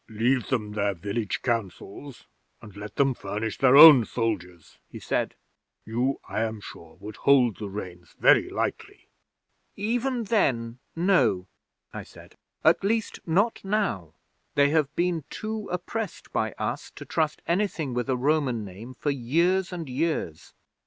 '"Leave them their village councils, and let them furnish their own soldiers," he said. "You, I am sure, would hold the reins very lightly." "Even then, no," I said. "At least not now. They have been too oppressed by us to trust anything with a Roman name for years and years."